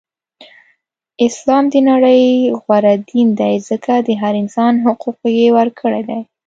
اسلام د نړی غوره دین دی ځکه د هر انسان حقوق یی ورکړی دی.